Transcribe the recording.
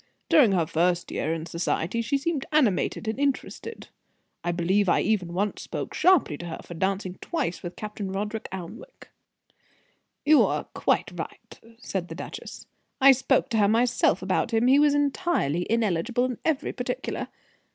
"During her first year in society she seemed animated and interested. I believe I even once spoke sharply to her for dancing twice with Captain Rodney Alnwick." "You were quite right," said the duchess. "I spoke to her myself about him. He was entirely ineligible in every particular.